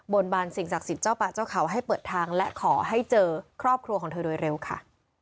บานสิ่งศักดิ์สิทธิ์เจ้าป่าเจ้าเขาให้เปิดทางและขอให้เจอครอบครัวของเธอโดยเร็วค่ะ